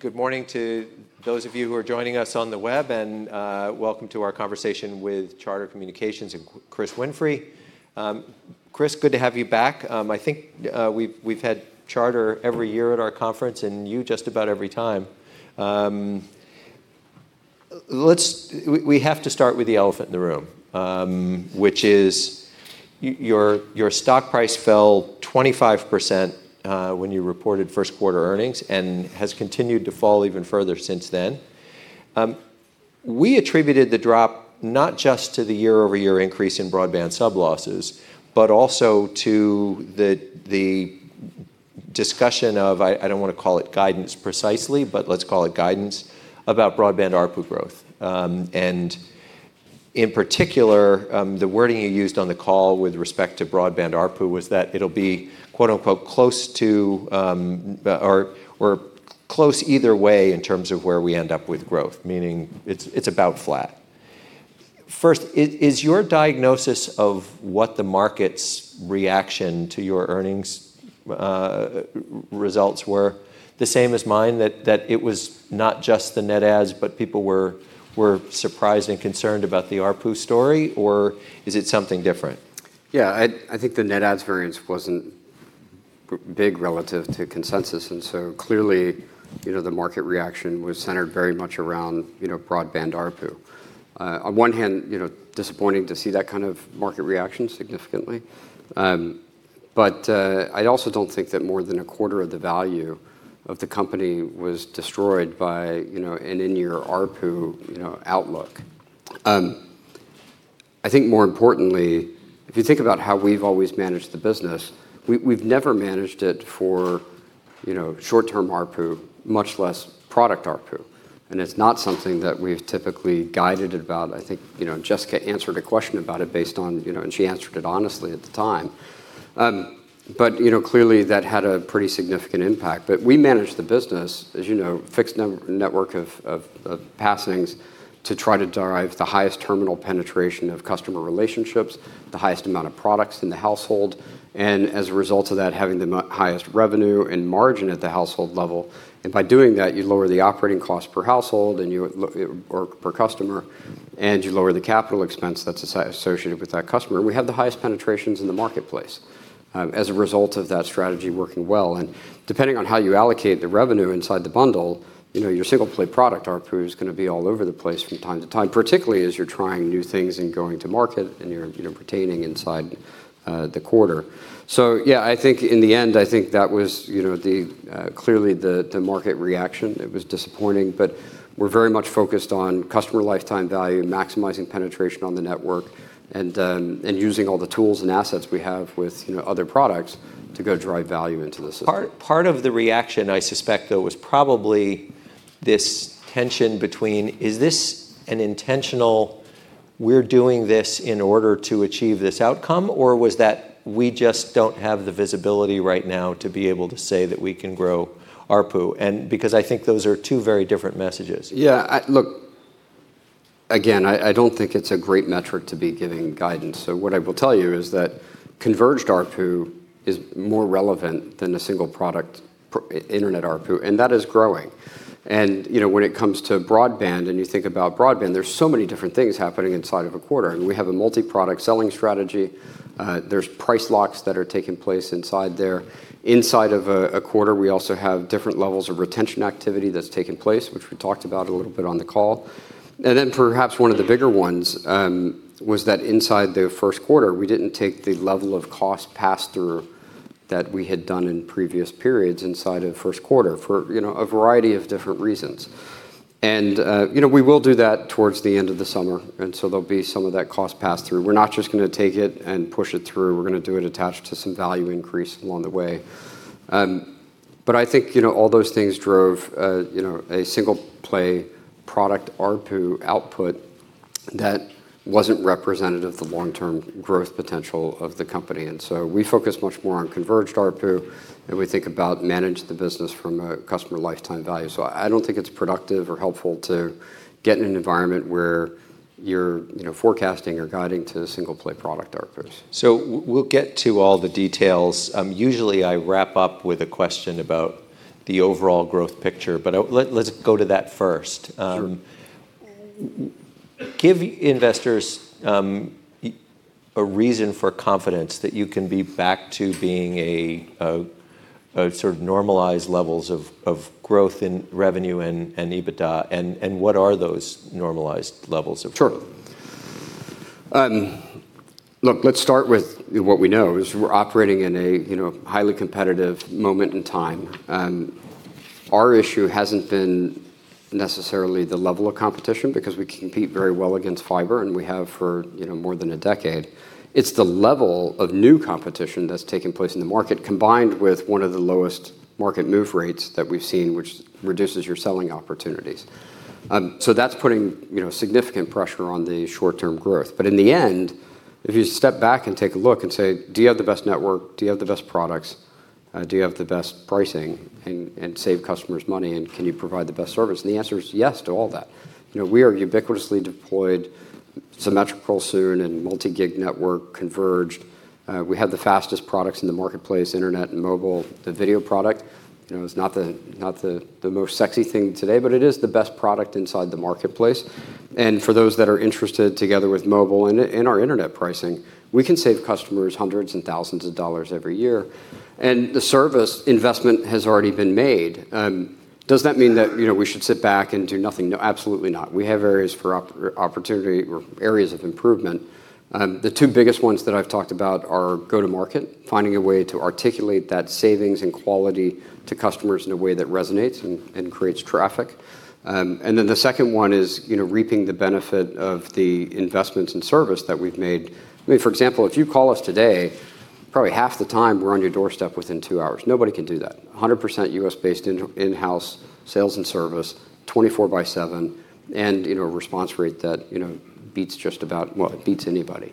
Good morning to those of you who are joining us on the web, and welcome to our conversation with Charter Communications and Chris Winfrey. Chris, good to have you back. I think we've had Charter every year at our conference, and you just about every time. Let's we have to start with the elephant in the room, which is your stock price fell 25% when you reported first quarter earnings, and has continued to fall even further since then. We attributed the drop not just to the year-over-year increase in broadband sub losses, but also to the discussion of, I don't wanna call it guidance precisely, but let's call it guidance, about broadband ARPU growth. In particular, the wording you used on the call with respect to broadband ARPU was that it'll be, quote, unquote, "Close to," or "Close either way in terms of where we end up with growth," meaning it's about flat. First, is your diagnosis of what the market's reaction to your earnings results were the same as mine, that it was not just the net adds, but people were surprised and concerned about the ARPU story, or is it something different? Yeah. I think the net adds variance wasn't big relative to consensus, and so clearly, you know, the market reaction was centered very much around, you know, broadband ARPU. On one hand, you know, disappointing to see that kind of market reaction significantly. I also don't think that more than a quarter of the value of the company was destroyed by, you know, an in-year ARPU, you know, outlook. I think more importantly, if you think about how we've always managed the business, we've never managed it for, you know, short-term ARPU, much less product ARPU, and it's not something that we've typically guided about. I think, you know, Jessica answered a question about it based on, you know, and she answered it honestly at the time. Clearly that had a pretty significant impact. We managed the business, as you know, fixed network of passings to try to derive the highest terminal penetration of customer relationships, the highest amount of products in the household, and as a result of that, having the highest revenue and margin at the household level. By doing that, you lower the operating cost per household, or per customer, and you lower the capital expense that's associated with that customer. We have the highest penetrations in the marketplace as a result of that strategy working well. Depending on how you allocate the revenue inside the bundle, you know, your single play product ARPU is gonna be all over the place from time to time, particularly as you're trying new things and going to market and you're, you know, pertaining inside the quarter. Yeah, I think in the end, I think that was, you know, clearly the market reaction. It was disappointing, but we're very much focused on customer lifetime value, maximizing penetration on the network and using all the tools and assets we have with, you know, other products to go drive value into the system. Part of the reaction I suspect though, was probably this tension between is this an intentional, we're doing this in order to achieve this outcome, or was that we just don't have the visibility right now to be able to say that we can grow ARPU and because I think those are two very different messages. Yeah. I look, again, I don't think it's a great metric to be giving guidance. What I will tell you is that converged ARPU is more relevant than a single product internet ARPU, and that is growing. You know, when it comes to broadband and you think about broadband, there's so many different things happening inside of a quarter, and we have a multi-product selling strategy. There's price locks that are taking place inside there. Inside of a quarter, we also have different levels of retention activity that's taking place, which we talked about a little bit on the call. Perhaps one of the bigger ones was that inside the first quarter, we didn't take the level of cost pass-through that we had done in previous periods inside of first quarter for, you know, a variety of different reasons. You know, we will do that towards the end of the summer, there'll be some of that cost pass-through. We're not just gonna take it and push it through. We're gonna do it attached to some value increase along the way. I think, you know, all those things drove, you know, a single play product ARPU output that wasn't representative of the long-term growth potential of the company. We focus much more on converged ARPU, and we think about manage the business from a customer lifetime value. I don't think it's productive or helpful to get in an environment where you're, you know, forecasting or guiding to single play product ARPUs. We'll get to all the details. Usually I wrap up with a question about the overall growth picture, but let's go to that first. Sure. Give investors, a reason for confidence that you can be back to being a sort of normalized levels of growth in revenue and EBITDA, and what are those normalized levels of growth? Sure. Look, let's start with what we know is we're operating in a, you know, highly competitive moment in time. Our issue hasn't been necessarily the level of competition because we compete very well against fiber, and we have for, you know, more than a decade. It's the level of new competition that's taking place in the market, combined with one of the lowest market move rates that we've seen, which reduces your selling opportunities. That's putting, you know, significant pressure on the short-term growth. In the end, if you step back and take a look and say, "Do you have the best network? Do you have the best products?" Do you have the best pricing and save customers money, and can you provide the best service? And the answer is yes to all that. You know, we are ubiquitously deployed, symmetrical soon, and multi-gig network converged. We have the fastest products in the marketplace, internet and mobile. The video product, you know, is not the most sexy thing today, it is the best product inside the marketplace. For those that are interested, together with mobile and our internet pricing, we can save customers hundreds and thousands of dollars every year. The service investment has already been made. Does that mean that, you know, we should sit back and do nothing? No, absolutely not. We have areas for opportunity or areas of improvement. The two biggest ones that I've talked about are go-to-market, finding a way to articulate that savings and quality to customers in a way that resonates and creates traffic. The second one is, you know, reaping the benefit of the investments in service that we've made. I mean, for example, if you call us today, probably half the time we're on your doorstep within two hours. Nobody can do that. 100% U.S.-based in-house sales and service, 24/7, a response rate that, you know, beats just about, it beats anybody.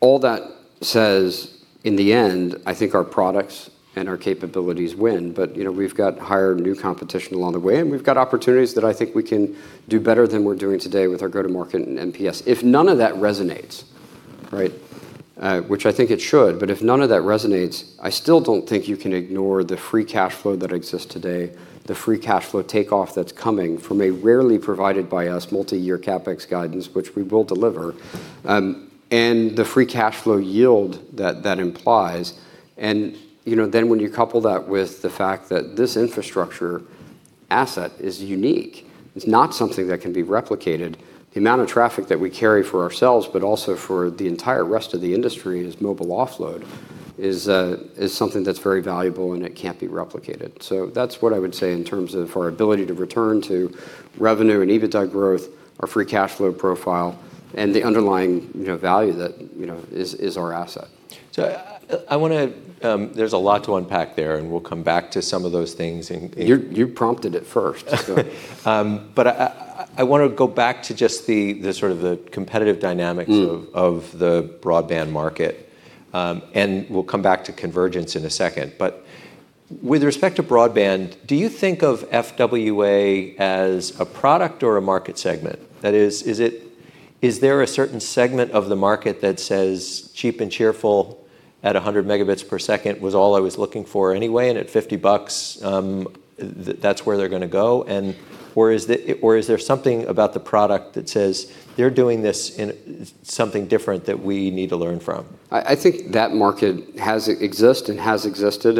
All that says, in the end, I think our products and our capabilities win, but, you know, we've got higher new competition along the way, and we've got opportunities that I think we can do better than we're doing today with our go-to-market and NPS. If none of that resonates, right, which I think it should, if none of that resonates, I still don't think you can ignore the free cash flow that exists today, the free cash flow takeoff that's coming from a rarely provided by us multi-year CapEx guidance, which we will deliver, and the free cash flow yield that that implies. You know, when you couple that with the fact that this infrastructure asset is unique, it's not something that can be replicated. The amount of traffic that we carry for ourselves, also for the entire rest of the industry as mobile offload is something that's very valuable, it can't be replicated. That's what I would say in terms of our ability to return to revenue and EBITDA growth, our free cash flow profile, and the underlying, you know, value that, you know, is our asset. There's a lot to unpack there, and we'll come back to some of those things. You prompted it first. I want to go back to just the sort of the competitive dynamics of the broadband market. We'll come back to convergence in a second. With respect to broadband, do you think of FWA as a product or a market segment? That is there a certain segment of the market that says, "Cheap and cheerful at 100 Mbps was all I was looking for anyway," and at $50, that's where they're gonna go? Or is there something about the product that says, "They're doing this in something different that we need to learn from"? I think that market has existed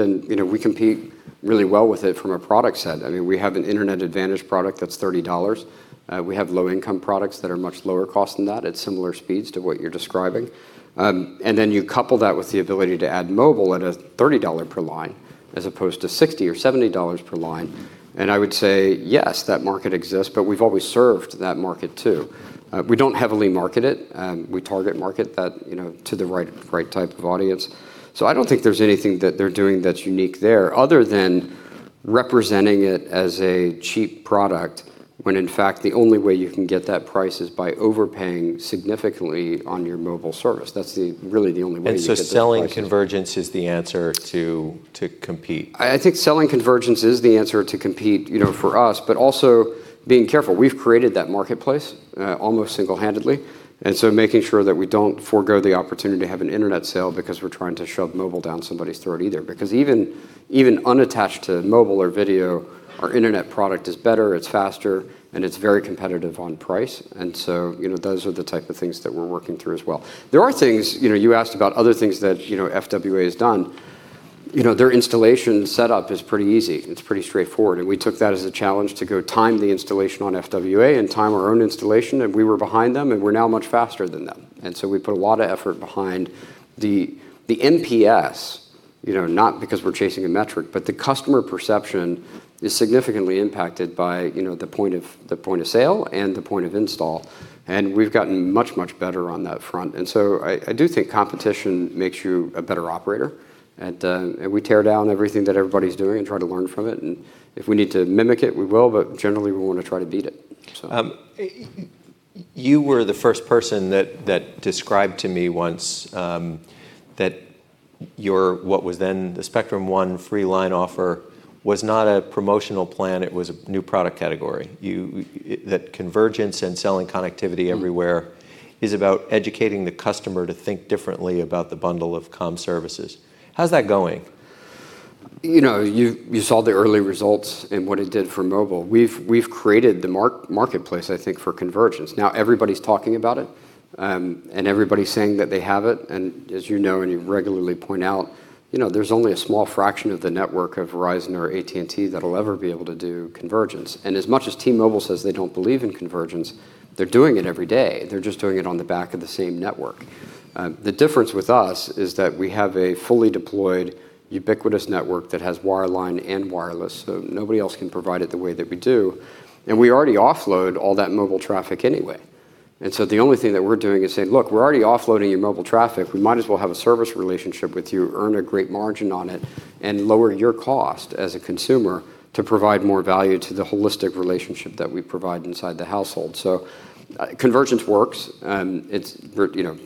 and, you know, we compete really well with it from a product set. I mean, we have an Internet Advantage product that's $30. We have low-income products that are much lower cost than that at similar speeds to what you're describing. Then you couple that with the ability to add mobile at a $30 per line as opposed to $60 or $70 per line, and I would say, yes, that market exists, but we've always served that market too. We don't heavily market it. We target market that, you know, to the right type of audience. I don't think there's anything that they're doing that's unique there other than representing it as a cheap product, when in fact the only way you can get that price is by overpaying significantly on your mobile service. That's the really the only way you get that price. selling convergence is the answer to compete. I think selling convergence is the answer to compete, you know, for us. Also being careful. We've created that marketplace almost single-handedly, making sure that we don't forego the opportunity to have an internet sale because we're trying to shove mobile down somebody's throat either. Even unattached to mobile or video, our internet product is better, it's faster, and it's very competitive on price. You know, those are the type of things that we're working through as well. There are things. You know, you asked about other things that, you know, FWA has done. You know, their installation setup is pretty easy. It's pretty straightforward. We took that as a challenge to go time the installation on FWA and time our own installation, and we were behind them, and we're now much faster than them. We put a lot of effort behind the NPS, you know, not because we're chasing a metric, but the customer perception is significantly impacted by, you know, the point of sale and the point of install, and we've gotten much, much better on that front. I do think competition makes you a better operator and we tear down everything that everybody's doing and try to learn from it, and if we need to mimic it, we will, but generally we want to try to beat it. You were the first person that described to me once, that your, what was then the Spectrum One free line offer was not a promotional plan, it was a new product category. That convergence and selling connectivity everywhere is about educating the customer to think differently about the bundle of comm services. How's that going? You know, you saw the early results in what it did for mobile. We've created the marketplace, I think, for convergence. Everybody's talking about it, and everybody's saying that they have it, and as you know, and you regularly point out, you know, there's only a small fraction of the network of Verizon or AT&T that'll ever be able to do convergence. As much as T-Mobile says they don't believe in convergence, they're doing it every day. They're just doing it on the back of the same network. The difference with us is that we have a fully deployed ubiquitous network that has wireline and wireless, so nobody else can provide it the way that we do. We already offload all that mobile traffic anyway. The only thing that we're doing is saying, "Look, we're already offloading your mobile traffic. We might as well have a service relationship with you, earn a great margin on it, and lower your cost as a consumer to provide more value to the holistic relationship that we provide inside the household. Convergence works. It's, you know,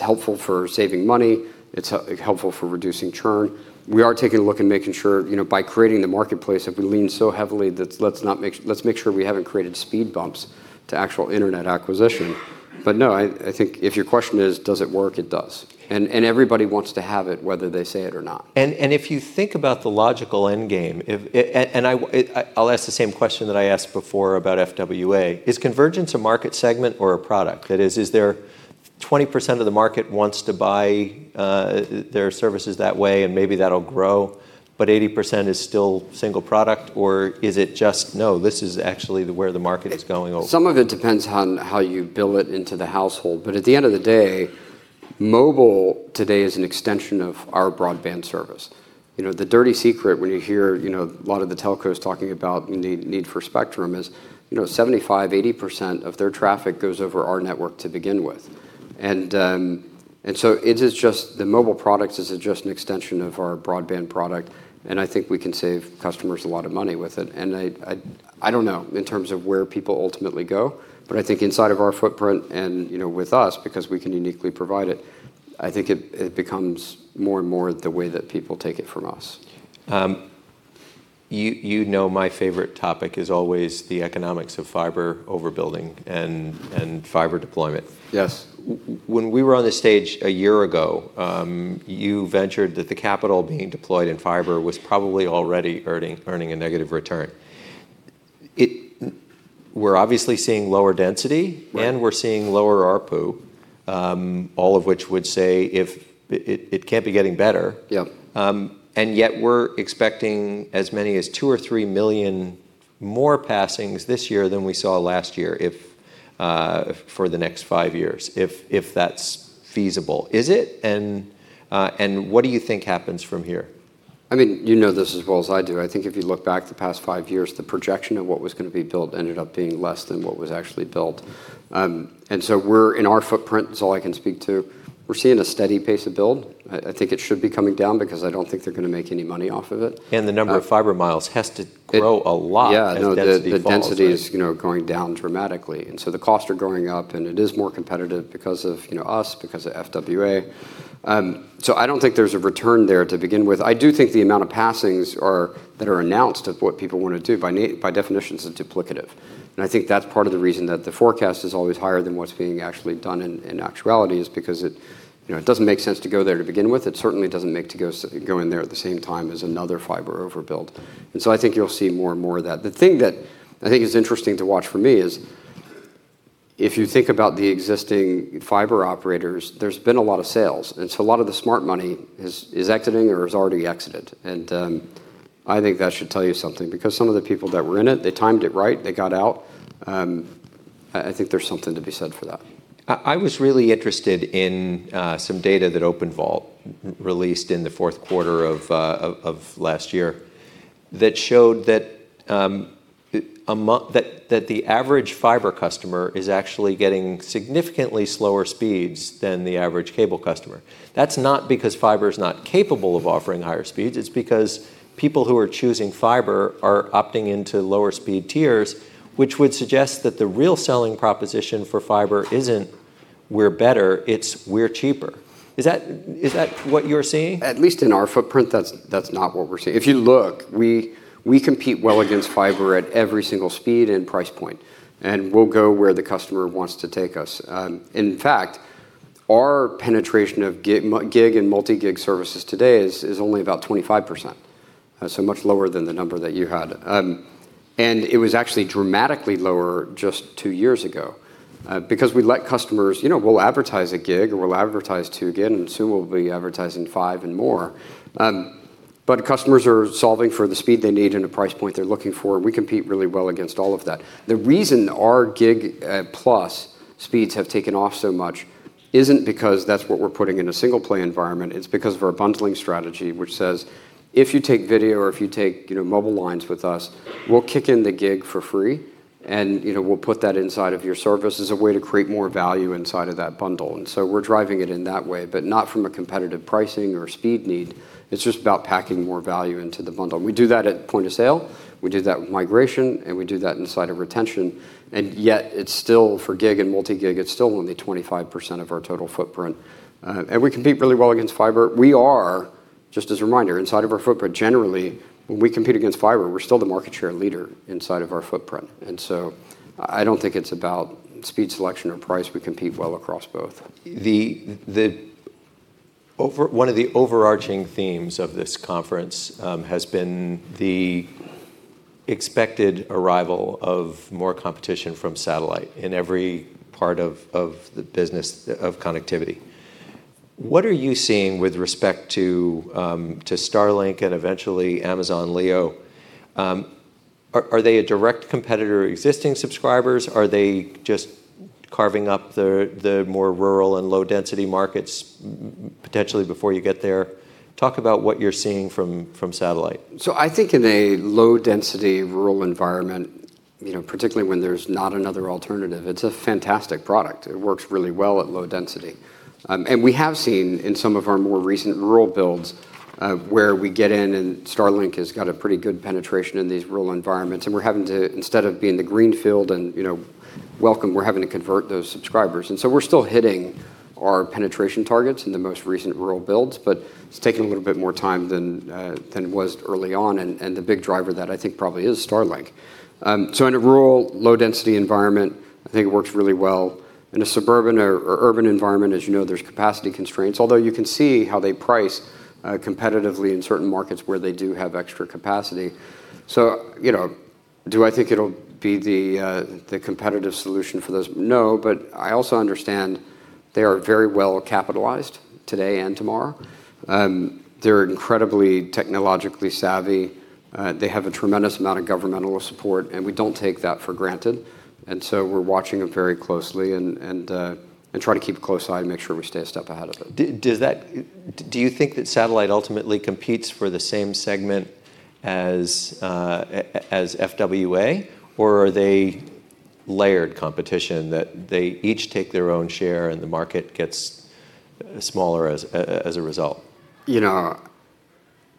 helpful for saving money, it's helpful for reducing churn. We are taking a look and making sure, you know, by creating the marketplace, if we lean so heavily that let's make sure we haven't created speed bumps to actual internet acquisition. No, I think if your question is does it work, it does. Everybody wants to have it whether they say it or not. If you think about the logical end game, if I'll ask the same question that I asked before about FWA. Is convergence a market segment or a product? That is there 20% of the market wants to buy their services that way and maybe that'll grow, but 80% is still single product, or is it just, "No, this is actually where the market is going over? Some of it depends on how you bill it into the household. At the end of the day, mobile today is an extension of our broadband service. You know, the dirty secret when you hear, you know, a lot of the telcos talking about the need for spectrum is, you know, 75%, 80% of their traffic goes over our network to begin with. So it is just the mobile product is just an extension of our broadband product, and I think we can save customers a lot of money with it. I don't know in terms of where people ultimately go, but I think inside of our footprint and, you know, with us, because we can uniquely provide it, I think it becomes more and more the way that people take it from us. You know my favorite topic is always the economics of fiber overbuilding and fiber deployment. Yes. When we were on this stage a year ago, you ventured that the capital being deployed in fiber was probably already earning a negative return. We're obviously seeing lower density- Right we're seeing lower ARPU, all of which would say it can't be getting better. Yeah. Yet we're expecting as many as 2 million or 3 million more passings this year than we saw last year if, for the next five years, if that's feasible. Is it? What do you think happens from here? I mean, you know this as well as I do. I think if you look back the past five years, the projection of what was gonna be built ended up being less than what was actually built. We're, in our footprint, that's all I can speak to, we're seeing a steady pace of build. I think it should be coming down because I don't think they're gonna make any money off of it. The number of fiber miles has to grow a lot. Yeah, no. The density is, you know, going down dramatically, and so the costs are going up, and it is more competitive because of, you know, us, because of FWA. I don't think there's a return there to begin with. I do think the amount of passings are, that are announced of what people want to do by definition is duplicative, and I think that's part of the reason that the forecast is always higher than what's being actually done in actuality, is because it, you know, it doesn't make sense to go there to begin with. It certainly doesn't make to go in there at the same time as another fiber overbuild. I think you'll see more and more of that. The thing that I think is interesting to watch for me is if you think about the existing fiber operators, there's been a lot of sales, a lot of the smart money is exiting or has already exited. I think that should tell you something because some of the people that were in it, they timed it right, they got out. I think there's something to be said for that. I was really interested in some data that OpenVault released in the fourth quarter of last year that showed that the average fiber customer is actually getting significantly slower speeds than the average cable customer. That's not because fiber is not capable of offering higher speeds. It's because people who are choosing fiber are opting into lower speed tiers, which would suggest that the real selling proposition for fiber isn't we're better, it's we're cheaper. Is that what you're seeing? At least in our footprint, that's not what we're seeing. If you look, we compete well against fiber at every single speed and price point, and we'll go where the customer wants to take us. In fact, our penetration of gig and multi-gig services today is only about 25%, so much lower than the number that you had. It was actually dramatically lower just two years ago, because we let customers You know, we'll advertise a gig, or we'll advertise two gig, and soon we'll be advertising five and more. Customers are solving for the speed they need and the price point they're looking for. We compete really well against all of that. The reason our gig plus speeds have taken off so much isn't because that's what we're putting in a single play environment. It's because of our bundling strategy, which says, "If you take video or if you take, you know, mobile lines with us, we'll kick in the gig for free, and, you know, we'll put that inside of your service as a way to create more value inside of that bundle." We're driving it in that way, but not from a competitive pricing or speed need. It's just about packing more value into the bundle. We do that at point of sale, we do that with migration, and we do that inside of retention. Yet it's still, for gig and multi-gig, it's still only 25% of our total footprint. We compete really well against fiber. We are, just as a reminder, inside of our footprint generally, when we compete against fiber, we're still the market share leader inside of our footprint. I don't think it's about speed selection or price. We compete well across both. One of the overarching themes of this conference has been the expected arrival of more competition from satellite in every part of the business of connectivity. What are you seeing with respect to Starlink and eventually Amazon LEO? Are they a direct competitor to existing subscribers? Are they just carving up the more rural and low density markets potentially before you get there? Talk about what you're seeing from satellite. I think in a low density rural environment, you know, particularly when there's not another alternative, it's a fantastic product. It works really well at low density. We have seen in some of our more recent rural builds, where we get in and Starlink has got a pretty good penetration in these rural environments, and we're having to, instead of be in the green field and, you know, welcome, we're having to convert those subscribers. We're still hitting our penetration targets in the most recent rural builds, but it's taking a little bit more time than it was early on. The big driver that I think probably is Starlink. In a rural low density environment, I think it works really well. In a suburban or urban environment, as you know, there's capacity constraints, although you can see how they price competitively in certain markets where they do have extra capacity. Do I think it'll be the competitive solution for those? No, but I also understand they are very well capitalized today and tomorrow. They're incredibly technologically savvy. They have a tremendous amount of governmental support, and we don't take that for granted, and so we're watching them very closely and try to keep a close eye and make sure we stay a step ahead of it. Does that do you think that satellite ultimately competes for the same segment as FWA, or are they layered competition that they each take their own share and the market gets smaller as a result? You know,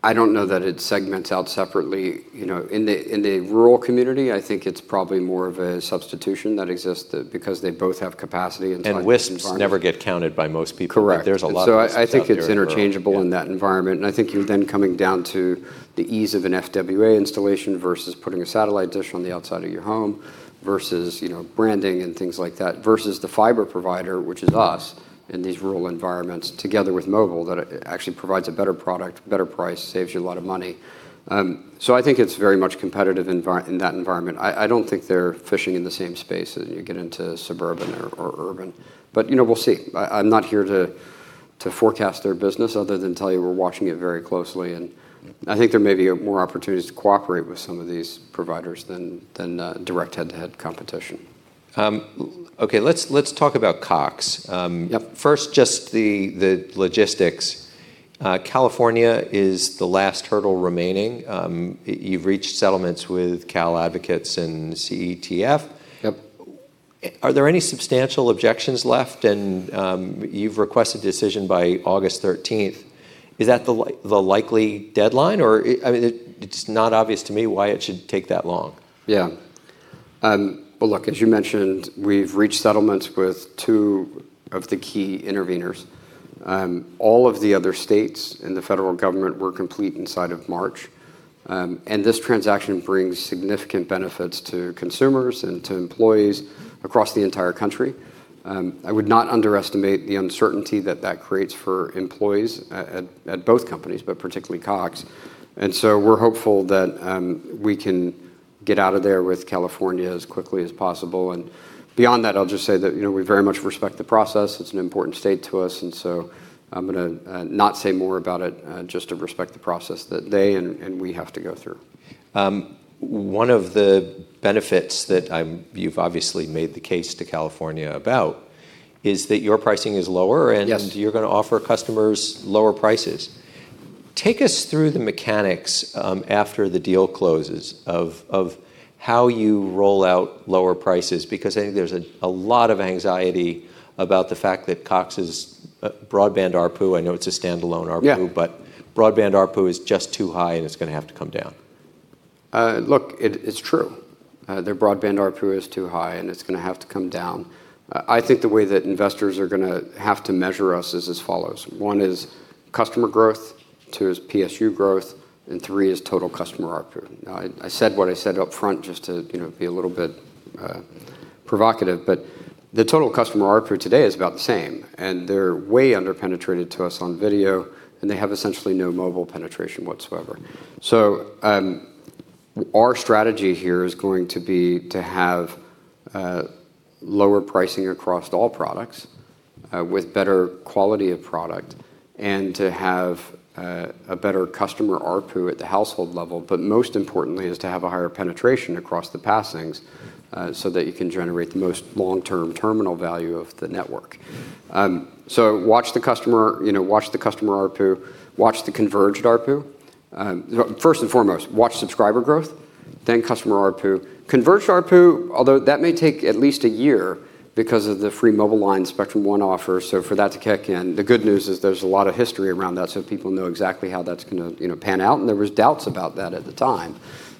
I don't know that it segments out separately. You know, in the rural community, I think it's probably more of a substitution that exists because they both have capacity inside the environment. WISPs never get counted by most people. Correct. There's a lot of WISPs out there in rural. I think it's interchangeable in that environment. I think you're then coming down to the ease of an FWA installation versus putting a satellite dish on the outside of your home versus, you know, branding and things like that, versus the fiber provider, which is us, in these rural environments together with mobile that actually provides a better product, better price, saves you a lot of money. I think it's very much competitive in that environment. I don't think they're fishing in the same space as you get into suburban or urban. You know, we'll see. I'm not here to forecast their business other than tell you we're watching it very closely, and I think there may be more opportunities to cooperate with some of these providers than direct head-to-head competition. Okay, let's talk about Cox. Yep. First, just the logistics. California is the last hurdle remaining. You've reached settlements with Cal Advocates and CETF. Yep. Are there any substantial objections left? You've requested decision by August 13th. Is that the likely deadline? I mean, it's not obvious to me why it should take that long. Yeah. Well, look, as you mentioned, we've reached settlements with two of the key intervenors. All of the other states and the federal government were complete inside of March. This transaction brings significant benefits to consumers and to employees across the entire country. I would not underestimate the uncertainty that that creates for employees at both companies, but particularly Cox. We're hopeful that we can get out of there with California as quickly as possible. Beyond that, I'll just say that, you know, we very much respect the process. It's an important state to us. I'm gonna not say more about it just to respect the process that they and we have to go through. One of the benefits that you've obviously made the case to California about is that your pricing is lower. Yes You're gonna offer customers lower prices. Take us through the mechanics after the deal closes of how you roll out lower prices because I think there's a lot of anxiety about the fact that Cox's broadband ARPU, I know it's a stand-alone ARPU. Yeah broadband ARPU is just too high and it's gonna have to come down. Look, it's true. Their broadband ARPU is too high and it's gonna have to come down. I think the way that investors are gonna have to measure us is as follows. One is customer growth, two is PSU growth, and three is total customer ARPU. I said what I said up front just to, you know, be a little bit, provocative, but the total customer ARPU today is about the same, and they're way under-penetrated to us on video, and they have essentially no mobile penetration whatsoever. Our strategy here is going to be to have, lower pricing across all products, with better quality of product, and to have, a better customer ARPU at the household level. Most importantly is to have a higher penetration across the passings so that you can generate the most long-term terminal value of the network. Watch the customer, you know, watch the customer ARPU, watch the converged ARPU. First and foremost, watch subscriber growth, then customer ARPU. Converged ARPU, although that may take at least a year because of the free mobile line Spectrum One offer, so for that to kick in. The good news is there's a lot of history around that, so people know exactly how that's going to, you know, pan out, and there was doubts about that at the time,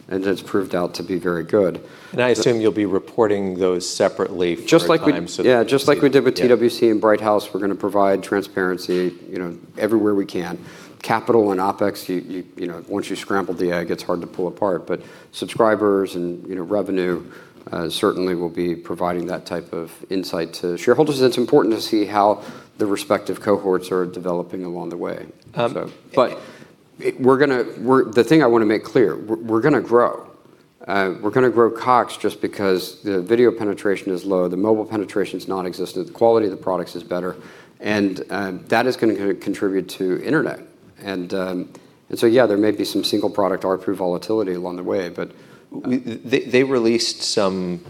and it's proved out to be very good. I assume you'll be reporting those separately for. Just like we did with TWC and Bright House, we're gonna provide transparency, you know, everywhere we can. Capital and OpEx, you know, once you scramble the egg, it's hard to pull apart. Subscribers and, you know, revenue, certainly will be providing that type of insight to shareholders. It's important to see how the respective cohorts are developing along the way. The thing I wanna make clear, we're gonna grow. We're gonna grow Cox just because the video penetration is low, the mobile penetration is nonexistent, the quality of the products is better, and that is gonna contribute to internet. Yeah, there may be some single product ARPU volatility along the way, but we- They released some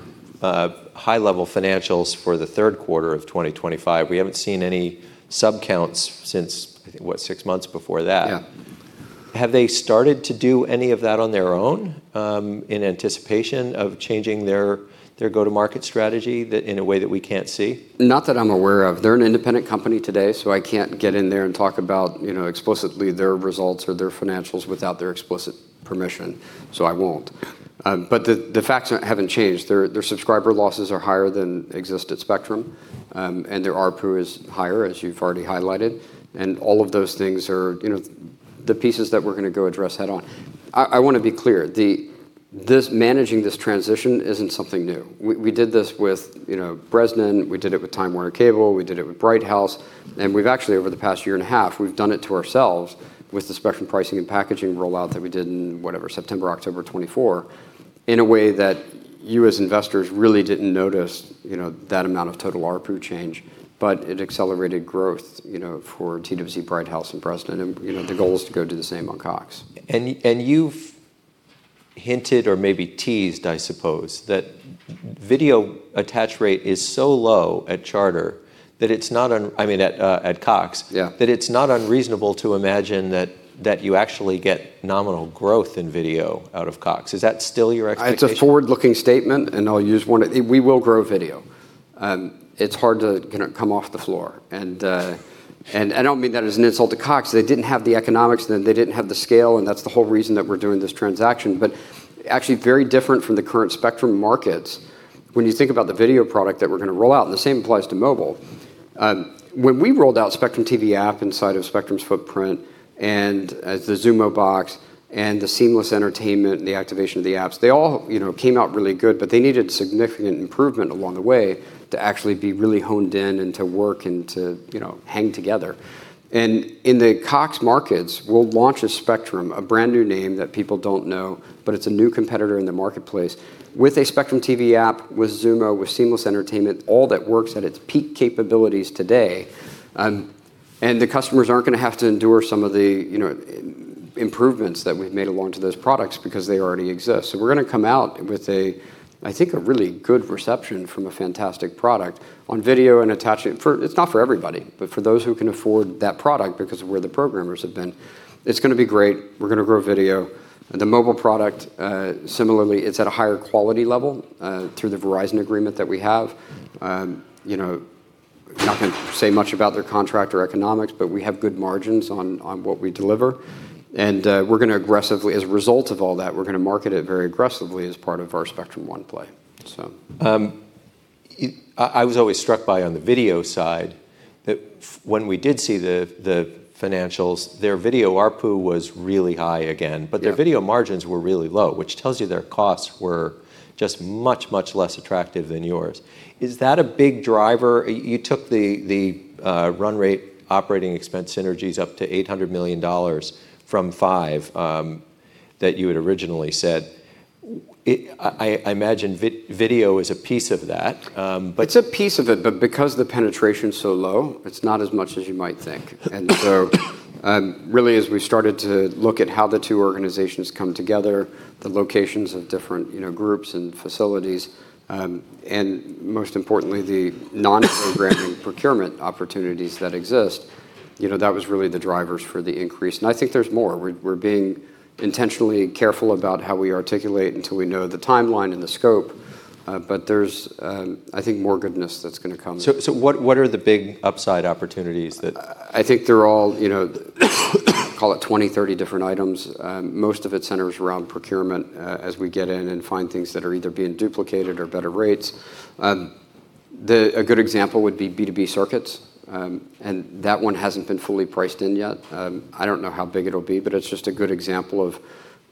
high-level financials for the third quarter of 2025. We haven't seen any sub counts since, I think, six months before that. Yeah. Have they started to do any of that on their own, in anticipation of changing their go-to-market strategy that in a way that we can't see? Not that I'm aware of. They're an independent company today, so I can't get in there and talk about, you know, explicitly their results or their financials without their explicit permission, so I won't. The facts haven't changed. Their subscriber losses are higher than exist at Spectrum, and their ARPU is higher, as you've already highlighted, and all of those things are, you know, the pieces that we're gonna go address head-on. I wanna be clear, This managing this transition isn't something new. We did this with, you know, Bresnan, we did it with Time Warner Cable, we did it with Bright House, and we've actually over the past year and a half, we've done it to ourselves with the Spectrum pricing and packaging rollout that we did in, whatever, September, October 2024, in a way that you as investors really didn't notice, you know, that amount of total ARPU change, but it accelerated growth, you know, for TWC, Bright House, and Bresnan and, you know, the goal is to go do the same on Cox. You've hinted or maybe teased, I suppose, that video attach rate is so low at Charter that it's not I mean at Cox. Yeah that it's not unreasonable to imagine that you actually get nominal growth in video out of Cox. Is that still your expectation? It's a forward-looking statement. I'll use one. We will grow video. It's hard to, gonna come off the floor. I don't mean that as an insult to Cox. They didn't have the economics and they didn't have the scale. That's the whole reason that we're doing this transaction. Actually very different from the current Spectrum markets. When you think about the video product that we're gonna roll out, and the same applies to mobile, when we rolled out Spectrum TV app inside of Spectrum's footprint and the Xumo box and the Seamless Entertainment and the activation of the apps, they all, you know, came out really good, but they needed significant improvement along the way to actually be really honed in and to work and to, you know, hang together. In the Cox markets, we'll launch a Spectrum, a brand-new name that people don't know, but it's a new competitor in the marketplace with a Spectrum TV app, with Xumo, with Seamless Entertainment, all that works at its peak capabilities today. The customers aren't gonna have to endure some of the, you know, improvements that we've made along to those products because they already exist. We're gonna come out with a, I think, a really good reception from a fantastic product on video and attach it for. It's not for everybody. For those who can afford that product because of where the programmers have been, it's gonna be great. We're gonna grow video. The mobile product, similarly, it's at a higher quality level through the Verizon agreement that we have. You know, not gonna say much about their contract or economics, but we have good margins on what we deliver. As a result of all that, we're gonna market it very aggressively as part of our Spectrum One play. I was always struck by on the video side that when we did see the financials, their video ARPU was really high again. Yeah. Their video margins were really low, which tells you their costs were just much less attractive than yours. Is that a big driver? You took the run rate operating expense synergies up to $800 million from $5 million that you had originally said. I imagine video is a piece of that. It's a piece of it, but because the penetration's so low, it's not as much as you might think. Really, as we started to look at how the two organizations come together, the locations of different groups and facilities, and most importantly, the non-programming- procurement opportunities that exist, that was really the drivers for the increase. I think there's more. We're being intentionally careful about how we articulate until we know the timeline and the scope. But there's, I think, more goodness that's gonna come. What are the big upside opportunities? I think they're all, you know, call it 20, 30 different items. Most of it centers around procurement, as we get in and find things that are either being duplicated or better rates. A good example would be B2B circuits. That one hasn't been fully priced in yet. I don't know how big it'll be, but it's just a good example of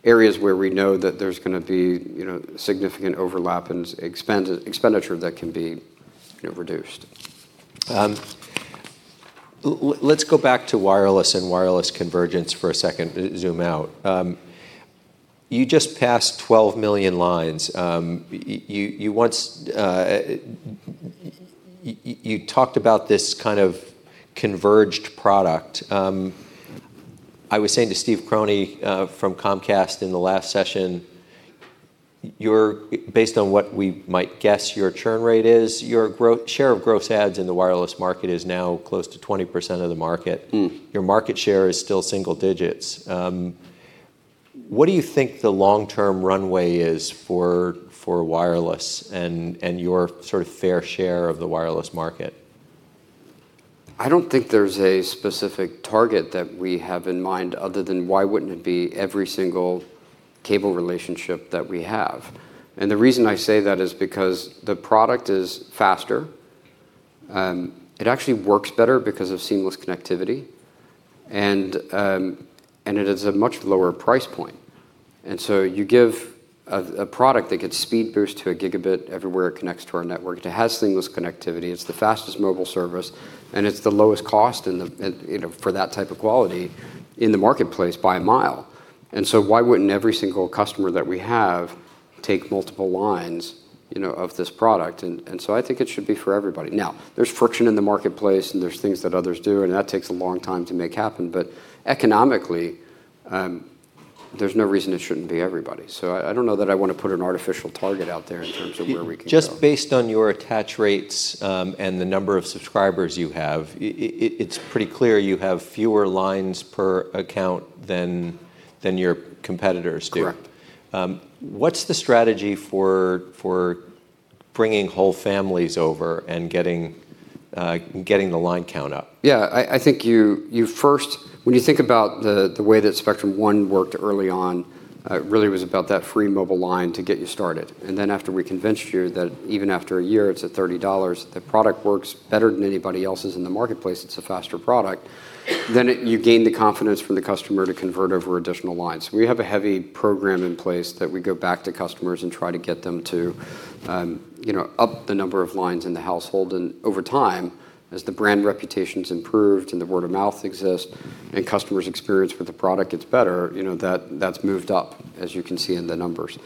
areas where we know that there's gonna be, you know, significant overlap and expenditure that can be, you know, reduced. Let's go back to wireless and wireless convergence for a second. Zoom out. You just passed 12 million lines. You, you once, you talked about this kind of converged product. I was saying to Steve Croney from Comcast in the last session, based on what we might guess your churn rate is, your share of gross adds in the wireless market is now close to 20% of the market. Your market share is still single digits. What do you think the long-term runway is for wireless and your sort of fair share of the wireless market? I don't think there's a specific target that we have in mind other than why wouldn't it be every single cable relationship that we have? The reason I say that is because the product is faster. It actually works better because of Seamless Connectivity and it is a much lower price point. You give a product that gets speed boost to a gigabit everywhere it connects to our network. It has Seamless Connectivity. It's the fastest mobile service, and it's the lowest cost you know, for that type of quality in the marketplace by a mile. Why wouldn't every single customer that we have take multiple lines, you know, of this product? I think it should be for everybody. There's friction in the marketplace, and there's things that others do, and that takes a long time to make happen. Economically, there's no reason it shouldn't be everybody. I don't know that I wanna put an artificial target out there in terms of where we can go. Just based on your attach rates, and the number of subscribers you have, it's pretty clear you have fewer lines per account than your competitors do. Correct. What's the strategy for bringing whole families over and getting the line count up. When you think about the way that Spectrum One worked early on, really was about that free mobile line to get you started. After we convinced you that even after a year it's at $30, the product works better than anybody else's in the marketplace, it's a faster product, you gain the confidence from the customer to convert over additional lines. We have a heavy program in place that we go back to customers and try to get them to, you know, up the number of lines in the household. Over time, as the brand reputation's improved and the word of mouth exists and customers' experience with the product gets better, you know, that's moved up, as you can see in the numbers.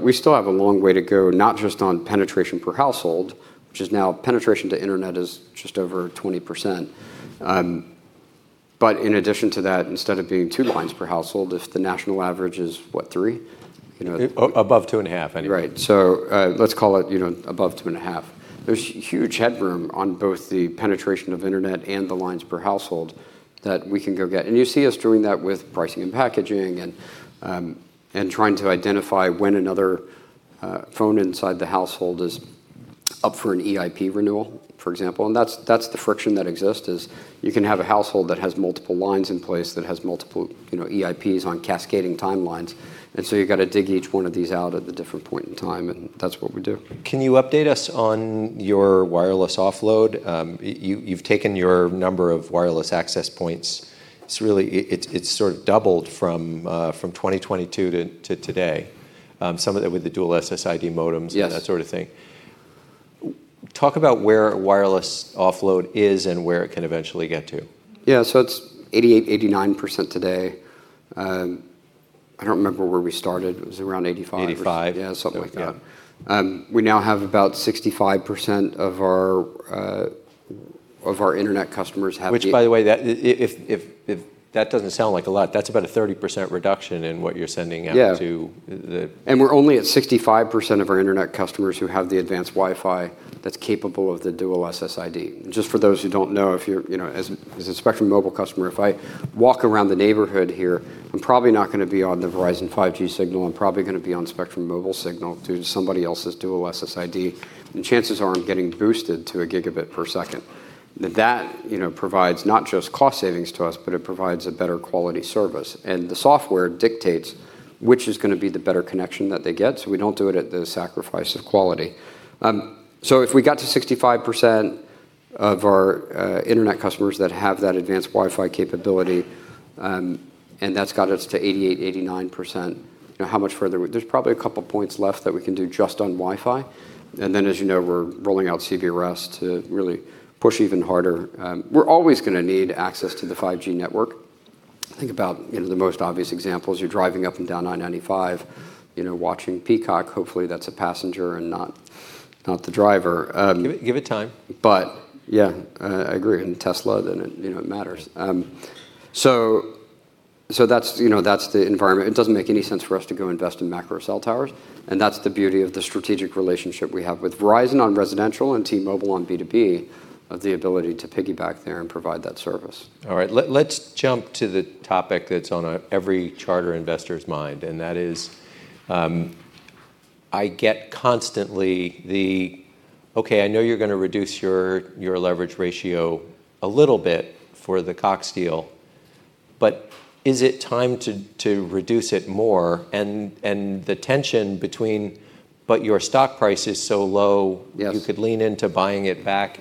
We still have a long way to go, not just on penetration per household, which is now penetration to internet is just over 20%. In addition to that, instead of being two lines per household, if the national average is, what, three? You know. Above 2.5 Anyway. Right. Let's call it, you know, above 2.5. There's huge headroom on both the penetration of internet and the lines per household that we can go get. You see us doing that with pricing and packaging and trying to identify when another phone inside the household is up for an EIP renewal, for example. That's the friction that exists, is you can have a household that has multiple lines in place, that has multiple, you know, EIPs on cascading timelines, so you've got to dig each one of these out at a different point in time, and that's what we do. Can you update us on your wireless offload? You've taken your number of wireless access points. It's really, it's sort of doubled from 2022 to today. Some of it with the dual SSID modems. Yes That sort of thing. Talk about where wireless offload is and where it can eventually get to. Yeah. It's 88%, 89% today. I don't remember where we started. It was around 85. 85%. Yeah, something like that. Yeah. We now have about 65% of our internet customers. Which by the way, that doesn't sound like a lot. That's about a 30% reduction in what you're sending out to. Yeah We're only at 65% of our internet customers who have the advanced Wi-Fi that's capable of the dual SSID. Just for those who don't know, if you're, you know, as a Spectrum Mobile customer, if I walk around the neighborhood here, I'm probably not gonna be on the Verizon 5G signal. I'm probably gonna be on Spectrum Mobile signal due to somebody else's dual SSID, and chances are I'm getting boosted to a gigabit per second. That, you know, provides not just cost savings to us, but it provides a better quality service. The software dictates which is gonna be the better connection that they get, so we don't do it at the sacrifice of quality. If we got to 65% of our internet customers that have that advanced Wi-Fi capability, and that's got us to 88%-89%, you know, how much further? There's probably a couple of points left that we can do just on Wi-Fi. As you know, we're rolling out CBRS to really push even harder. We're always gonna need access to the 5G network. Think about, you know, the most obvious examples. You're driving up and down I-95, you know, watching Peacock. Hopefully, that's a passenger and not the driver. Give it time. Yeah, I agree. In the Tesla, you know, it matters. That's, you know, that's the environment. It doesn't make any sense for us to go invest in macro cell towers. That's the beauty of the strategic relationship we have with Verizon on residential and T-Mobile on B2B, of the ability to piggyback there and provide that service. All right. Let's jump to the topic that's on every Charter investor's mind, that is, I get constantly the, "Okay, I know you're gonna reduce your leverage ratio a little bit for the Cox deal, but is it time to reduce it more?" The tension between, "But your stock price is so low- Yes you could lean into buying it back.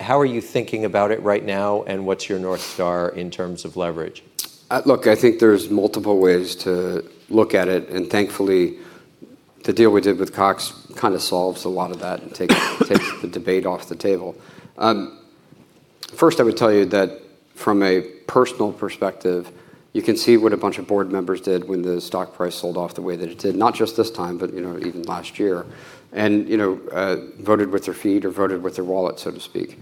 How are you thinking about it right now, and what's your North Star in terms of leverage? Look, I think there's multiple ways to look at it. Thankfully, the deal we did with Cox kinda solves a lot of that and takes the debate off the table. First, I would tell you that from a personal perspective, you can see what a bunch of board members did when the stock price sold off the way that it did, not just this time, but, you know, even last year, and, you know, voted with their feet or voted with their wallet, so to speak.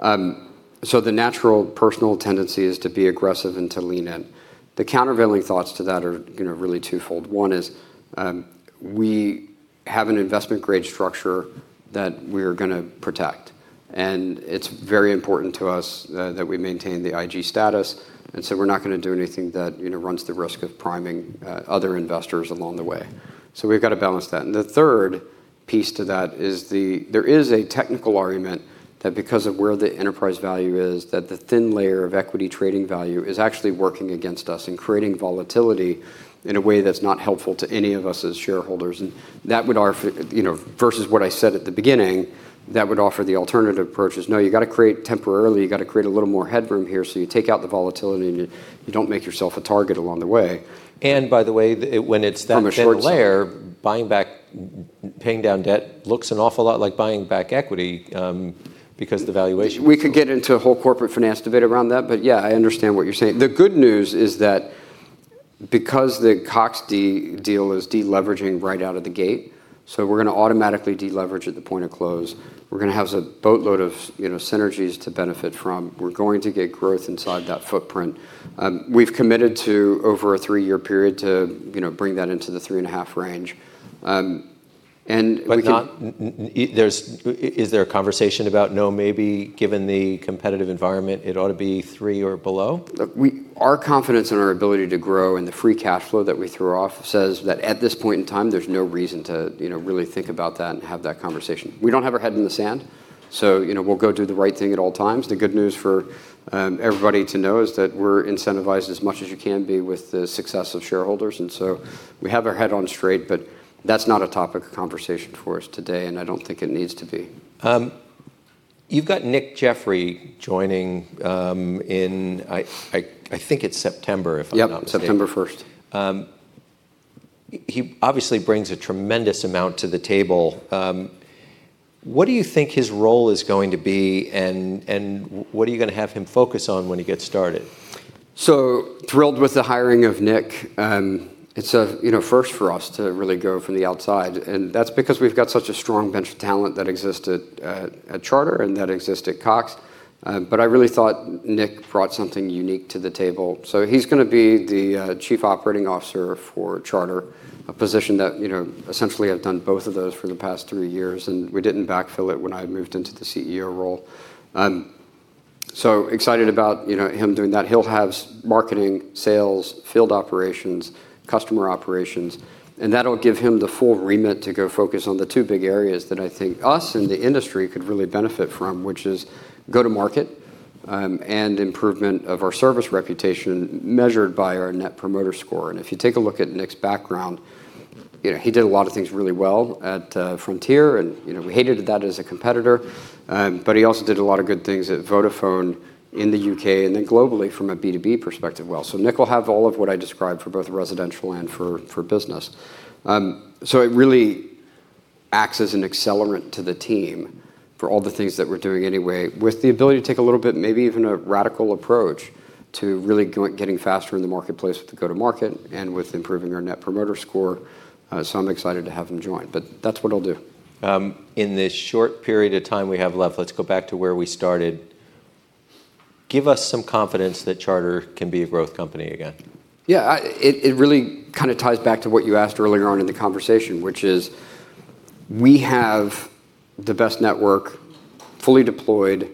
The natural personal tendency is to be aggressive and to lean in. The countervailing thoughts to that are, you know, really twofold. One is, we have an investment grade structure that we're gonna protect, and it's very important to us that we maintain the IG status. We're not gonna do anything that, you know, runs the risk of priming other investors along the way. We've got to balance that. The third piece to that is there is a technical argument that because of where the enterprise value is, that the thin layer of equity trading value is actually working against us and creating volatility in a way that's not helpful to any of us as shareholders. That would, you know, versus what I said at the beginning, offer the alternative approach is, no, you gotta create temporarily, you gotta create a little more headroom here, so you take out the volatility and you don't make yourself a target along the way. By the way, when it's that thin layer- From a short term- buying back, paying down debt looks an awful lot like buying back equity. We could get into a whole corporate finance debate around that, but yeah, I understand what you're saying. The good news is that because the Cox deal is deleveraging right out of the gate, so we're gonna automatically deleverage at the point of close. We're gonna have a boatload of, you know, synergies to benefit from. We're going to get growth inside that footprint. We've committed to over a three-year period to, you know, bring that into the 3.5 range. Not there's, is there a conversation about no, maybe given the competitive environment it ought to be three or below? Our confidence in our ability to grow and the free cash flow that we throw off says that at this point in time, there's no reason to, you know, really think about that and have that conversation. We don't have our head in the sand, you know, we'll go do the right thing at all times. The good news for everybody to know is that we're incentivized as much as you can be with the success of shareholders, we have our head on straight, that's not a topic of conversation for us today, I don't think it needs to be. You've got Nick Jeffery joining, in I think it's September, if I'm not mistaken. Yep, September 1st. He obviously brings a tremendous amount to the table. What do you think his role is going to be and what are you gonna have him focus on when he gets started? thrilled with the hiring of Nick. It's a, you know, first for us to really go from the outside, and that's because we've got such a strong bench of talent that existed at Charter and that exist at Cox. I really thought Nick brought something unique to the table. He's gonna be the Chief Operating Officer for Charter, a position that, you know, essentially I've done both of those for the past three years, and we didn't backfill it when I had moved into the CEO role. I'm so excited about, you know, him doing that. He'll have marketing, sales, field operations, customer operations. That'll give him the full remit to go focus on the two big areas that I think us and the industry could really benefit from, which is go-to-market and improvement of our service reputation measured by our Net Promoter Score. If you take a look at Nick's background, you know, he did a lot of things really well at Frontier and, you know, we hated that as a competitor. He also did a lot of good things at Vodafone in the U.K. and then globally from a B2B perspective well. Nick will have all of what I described for both residential and for business. It really acts as an accelerant to the team for all the things that we're doing anyway, with the ability to take a little bit, maybe even a radical approach to really getting faster in the marketplace with the go-to-market and with improving our Net Promoter Score. I'm excited to have him join, but that's what he'll do. In the short period of time we have left, let's go back to where we started. Give us some confidence that Charter can be a growth company again. It really kind of ties back to what you asked earlier on in the conversation, which is we have the best network, fully deployed,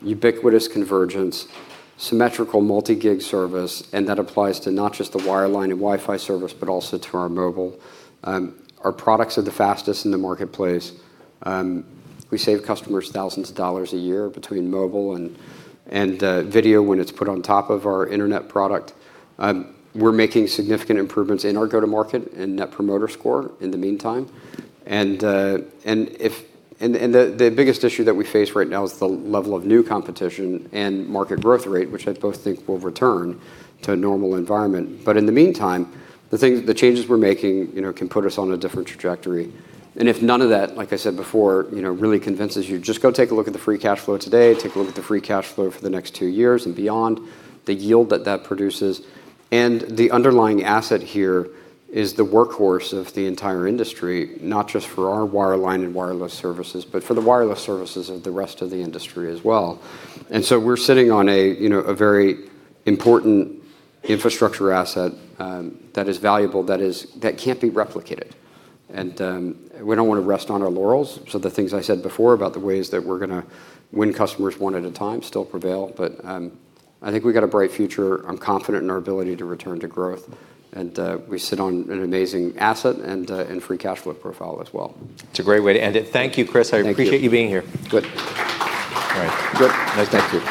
ubiquitous convergence, symmetrical multi-gig service, and that applies to not just the wireline and Wi-Fi service, but also to our mobile. Our products are the fastest in the marketplace. We save customers thousands dollars a year between mobile and video when it's put on top of our Internet product. We're making significant improvements in our go-to-market and Net Promoter Score in the meantime, the biggest issue that we face right now is the level of new competition and market growth rate, which I both think will return to a normal environment. In the meantime, the changes we're making, you know, can put us on a different trajectory. If none of that, like I said before, you know, really convinces you, just go take a look at the free cash flow today, take a look at the free cash flow for the next two years and beyond, the yield that that produces. The underlying asset here is the workhorse of the entire industry, not just for our wireline and wireless services, but for the wireless services of the rest of the industry as well. We're sitting on a, you know, a very important infrastructure asset that is valuable, that can't be replicated. We don't wanna rest on our laurels, so the things I said before about the ways that we're gonna win customers one at a time still prevail. I think we've got a bright future. I'm confident in our ability to return to growth and, we sit on an amazing asset and free cash flow profile as well. It's a great way to end it. Thank you, Chris. Thank you. I appreciate you being here. Good. All right. Good. Nice to meet you.